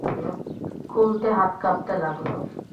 খুলতে হাত কাঁপতে লাগল।